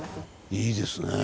いいですねぇ。